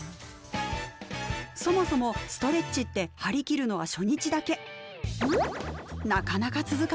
そもそもストレッチって張り切るのは初日だけ。